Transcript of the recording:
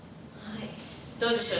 どうでしょう。